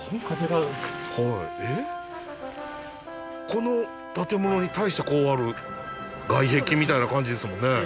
この建物に対してこうある外壁みたいな感じですもんね。